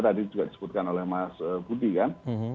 tadi juga disebutkan oleh mas budi kan